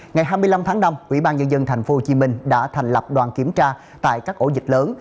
ngày hai mươi năm tháng năm ubnd tp hcm đã thành lập đoàn kiểm tra tại các ổ dịch lớn